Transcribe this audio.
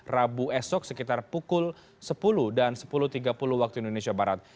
rabu esok sekitar pukul sepuluh dan sepuluh tiga puluh waktu indonesia barat